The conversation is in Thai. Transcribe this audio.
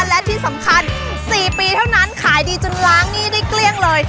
และที่สำคัญ๔ปีเท่านั้นขายดีจนล้างหนี้ได้เกลี้ยงเลย